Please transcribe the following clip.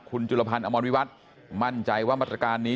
คุณจุลพันธ์อมรวิวัตรมั่นใจว่ามาตรการนี้